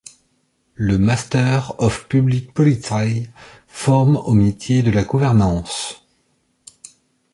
Le Master of Public Policy forme aux métiers de la gouvernance.